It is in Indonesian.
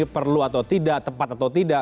perlu atau tidak tepat atau tidak